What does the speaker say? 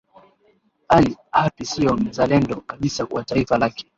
ally hapi siyo mzalendo kabisa kwa taifa lake